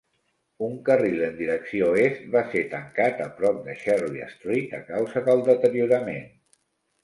Un carril en direcció est va ser tancat a prop de Cherry Street a causa del deteriorament.